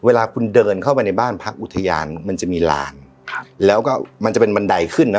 เวลาคุณเดินเข้าไปในบ้านพักอุทยานมันจะมีลานครับแล้วก็มันจะเป็นบันไดขึ้นนะ